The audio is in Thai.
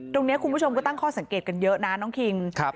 คุณผู้ชมก็ตั้งข้อสังเกตกันเยอะนะน้องคิง